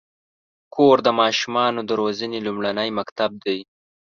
کور د ماشومانو د روزنې لومړنی مکتب دی.